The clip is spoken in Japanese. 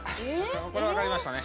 これ分かりましたね。